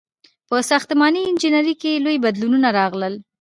• په ساختماني انجینرۍ کې لوی بدلونونه راغلل.